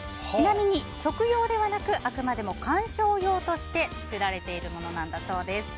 ちなみに食用ではなくあくまでも観賞用として作られているものなんだそうです。